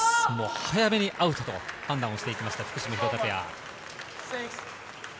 早めにアウトと判断をしていきました、フクヒロペア。